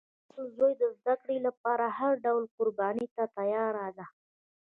هغه د خپل زوی د زده کړې لپاره هر ډول قربانی ته تیار ده